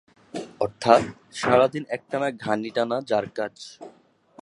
অর্থাৎ সারাদিন একটানা ঘানি টানা যার কাজ।